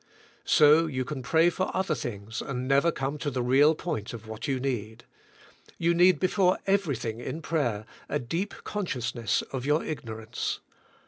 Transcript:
So you can pray for other things and never come to the real point of what you need. You need before everything in prayer a deep con sciousness of your ignorance.